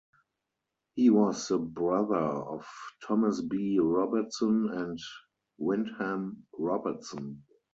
He was the brother of Thomas B. Robertson and Wyndham Robertson.